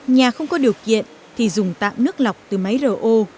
nhà không có điều kiện thì dùng tạm nước lọc từ máy rửa ô